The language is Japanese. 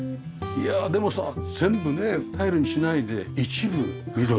いやでもさ全部ねタイルにしないで一部緑。